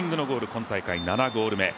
今大会、７ゴール目。